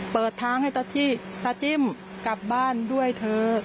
เปิดทางให้ตาจิ้มกลับบ้านด้วยเถอะ